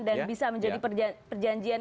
dan bisa menjadi perjanjian